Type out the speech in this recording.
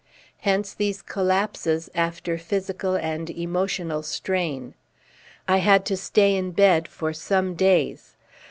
Hence these collapses after physical and emotional strain. I had to stay in bed for some days.